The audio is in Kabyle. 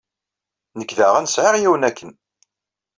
Nekk daɣen sɛiɣ yiwen akken.